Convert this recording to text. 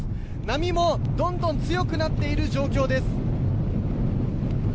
波も、どんどん強くなっている状況です。